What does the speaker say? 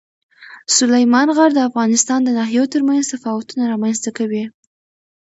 سلیمان غر د افغانستان د ناحیو ترمنځ تفاوتونه رامنځته کوي.